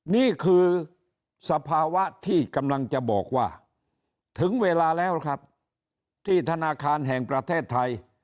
นี่คือสภาวะที่กำลังจะบอกว่าถึงเวลาแล้วครับที่ธนาคารแห่งประเทศไทย